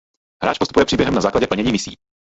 Hráč postupuje příběhem na základě plnění misí.